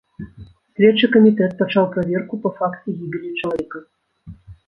Следчы камітэт пачаў праверку па факце гібелі чалавека.